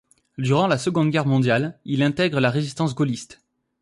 Durant la Seconde Guerre mondiale, il intègre la résistance gaulliste.